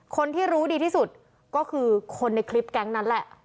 คนที่รู้ดีที่สุดก็คือคนในคลิปแก๊งนั้นแหละ